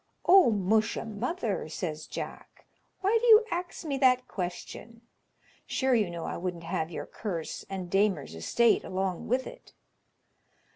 "O musha, mother," says Jack, "why do you ax me that question? sure you know I wouldn't have your curse and Damer's estate along with it."